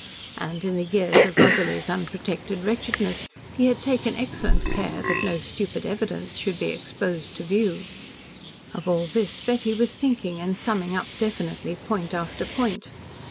And, in the years of Rosalie's unprotected wretchedness, he had taken excellent care that no "stupid evidence" should be exposed to view. Of all this Betty was thinking and summing up definitely, point after point.